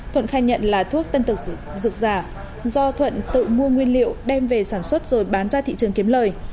thuận khai nhận là thuốc tân tực giả do thuận tự mua nguyên liệu đem về sản xuất rồi bán ra thị trường kiếm lời